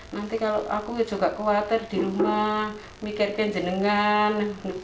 nanti kalau aku juga khawatir di rumah mikirkan jenengan